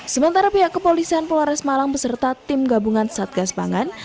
sementara pihak kepolisian polares malang beserta tim gabungan satgas pangan